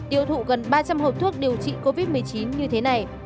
tiêu thụ gần ba trăm linh hộp thuốc điều trị covid một mươi chín như thế này